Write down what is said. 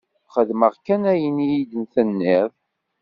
Xedmeɣ kan ayen i yi-d-tenniḍ.